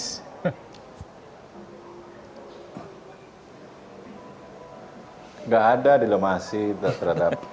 tidak ada dilemasi terhadap